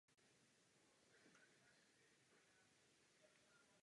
Odborně se specializuje na české a moravské dějiny raného novověku.